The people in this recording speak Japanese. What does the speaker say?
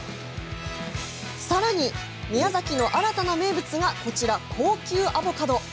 さらに、宮崎の新たな名物がこちら、高級アボカド。